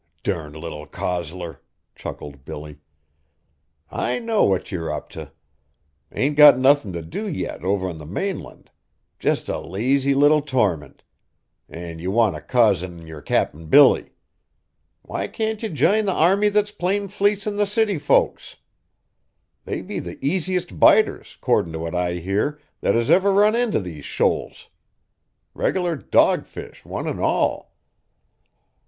"Durned little cozzler!" chuckled Billy. "I know what yer up t'. Ain't got nothin' t' do yet, over on the mainland; just a lazy little tormint; an' ye want t' cozzen yer Cap'n Billy. Why can't ye jine the army that's plain fleecin' the city folks? They be the easiest biters, 'cordin' t' what I hear, that has ever run in t' these shoals. Reg'lar dogfish one an' all."